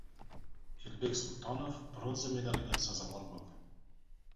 Elbek Sultonov bronza medaliga sazovor bo‘ldi